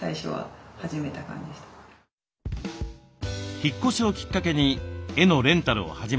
引っ越しをきっかけに絵のレンタルを始めたそうです。